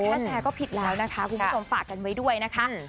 แชร์ก็ผิดแล้วนะคะคุณผู้ชมฝากกันไว้ด้วยนะคะ